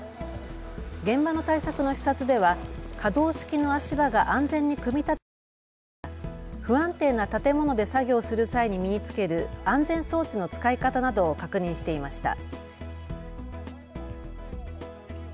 現場の対策の視察では可動式の足場が安全に組み立てられているかや、不安定な建物で作業する際に身に着ける安全装置の使い方などを確認していました。